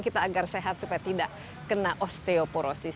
kita agar sehat supaya tidak kena osteoporosis